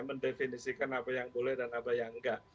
mendefinisikan apa yang boleh dan apa yang enggak